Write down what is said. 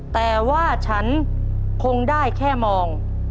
แต่ว่าฉันคงได้แค่มอง